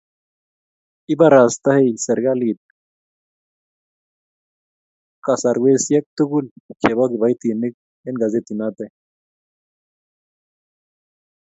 ibarastei serikali kasarwesiek tugul chebo kiboitinik eng' gazetinoi.